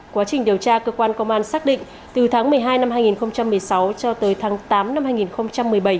quá trình điều tra cơ quan công an xác định từ tháng một mươi hai năm hai nghìn một mươi sáu cho tới tháng tám năm hai nghìn một mươi bảy